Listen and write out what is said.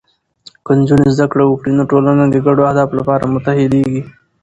که نجونې زده کړه وکړي، نو ټولنه د ګډو اهدافو لپاره متحدېږي.